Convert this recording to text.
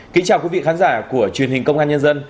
kính chào quý vị khán giả của truyền hình công an nhân dân